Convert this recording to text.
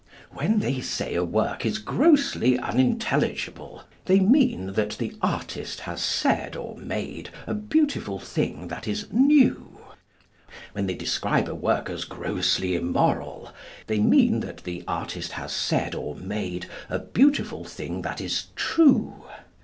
When they say a work is grossly unintelligible, they mean that the artist has said or made a beautiful thing that is new; when they describe a work as grossly immoral, they mean that the artist has said or made a beautiful thing that is true.